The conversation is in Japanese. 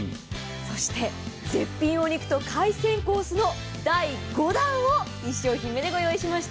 そして絶品お肉と海鮮の豪華コースを１商品目でご用意しました。